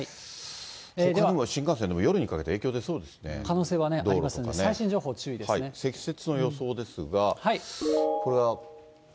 ほかにも新幹線、夜にかけても影響出そうですね、可能性はありますので、最新積雪の予想ですが。